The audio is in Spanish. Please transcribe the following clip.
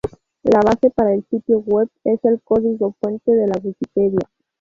La base para el sitio web es el código fuente de la Wikipedia.